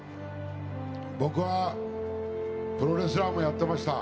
僕はプロレスラーもやってました。